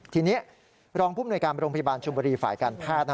ทีนี้รองภูมิหน่วยการโรงพยาบาลชุมบรีฝ่ายการภาษณ์